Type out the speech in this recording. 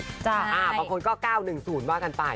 บางคนก็๙๑๐ว่ากันไป